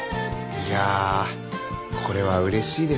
いやこれはうれしいですね。